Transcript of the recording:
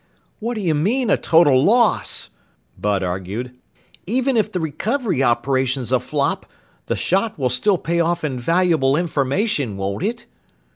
"What do you mean, a total loss?" Bud argued. "Even if the recovery operation's a flop, the shot will still pay off in valuable information, won't it?"